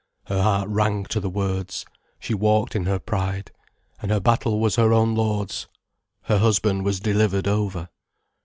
Her heart rang to the words. She walked in her pride. And her battle was her own Lord's, her husband was delivered over.